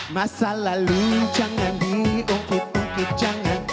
masa lalu jangan diungkit ungkit jangan